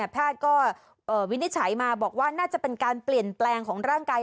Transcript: แพทย์ก็วินิจฉัยมาบอกว่าน่าจะเป็นการเปลี่ยนแปลงของร่างกาย